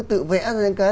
tự vẽ ra những cái